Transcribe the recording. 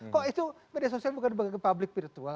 kok itu media sosial bukan publik virtual